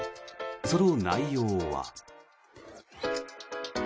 その内容は。